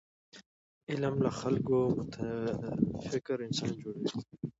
علم له خلکو متفکر انسانان جوړوي.